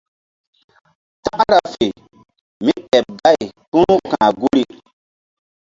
Takra fe mí ɓeɓ gay kpu̧ru ka̧h guri.